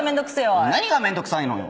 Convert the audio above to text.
何がめんどくさいのよ？